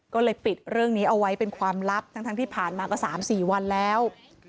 ก็เลยปิดเรื่องนี้เอาไว้เป็นความลับทั้งที่ผ่านมาก็๓๔วันแล้ว